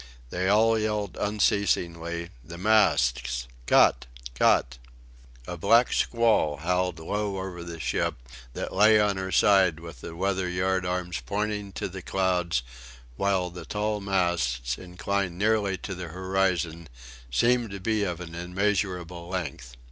They all yelled unceasingly: "The masts! Cut! Cut!..." A black squall howled low over the ship, that lay on her side with the weather yard arms pointing to the clouds; while the tall masts, inclined nearly to the horizon, seemed to be of an immeasurable length.